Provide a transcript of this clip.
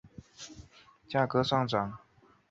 拐角的圆柱形塔楼使该楼具有简单的几何体形式。